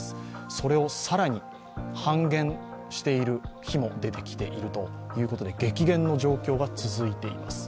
それを更に半減している日も出てきているということで激減の状況が続いています。